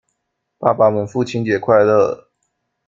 爸爸們父親節快樂！